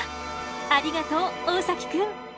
ありがとう大崎くん。